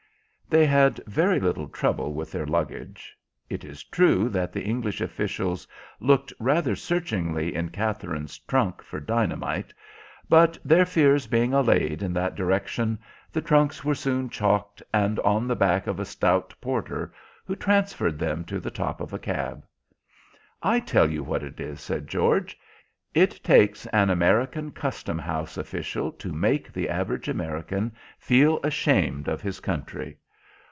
They had very little trouble with their luggage. It is true that the English officials looked rather searchingly in Katherine's trunk for dynamite, but, their fears being allayed in that direction, the trunks were soon chalked and on the back of a stout porter, who transferred them to the top of a cab. "I tell you what it is," said George, "it takes an American Custom house official to make the average American feel ashamed of his country."